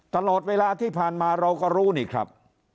ตลอดเวลาที่ผ่านมาเราก็รู้นี่ครับ